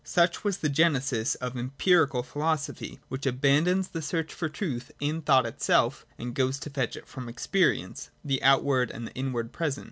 Such was the genesis of Empirical philosophy, which abandons the search for truth in thought itself, and goes to fetch it from Experience, the outward and the inward present.